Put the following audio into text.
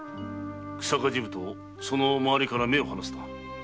日下治部とその周りから目を離すな。